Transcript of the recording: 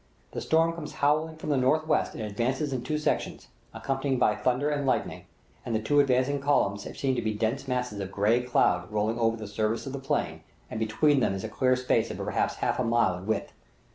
The storm comes howling from the northwest and advances in two sections, accompanied by thunder and lightning; the two advancing columns seem to be dense masses of gray cloud rolling over the surface of the plain, and between them is a clear space of perhaps half a mile in width.